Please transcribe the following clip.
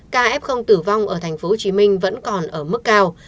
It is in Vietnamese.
ca f tử vong ở tp hcm vẫn còn ở mức cao